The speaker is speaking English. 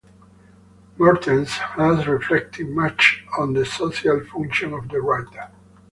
Mertens has reflected much on the social function of the writer.